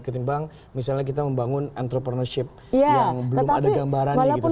ketimbang misalnya kita membangun entrepreneurship yang belum ada gambarannya gitu